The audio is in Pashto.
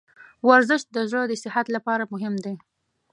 ورزش د زړه د صحت لپاره مهم دی.